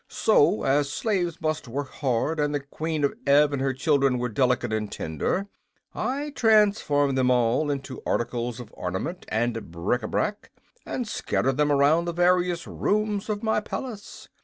So, as slaves must work hard, and the Queen of Ev and her children were delicate and tender, I transformed them all into articles of ornament and bric a brac and scattered them around the various rooms of my palace.